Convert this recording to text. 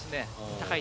高い。